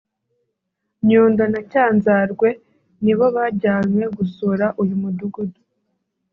Nyundo na Cyanzarwe nibo bajyanywe gusura uyu mudugudu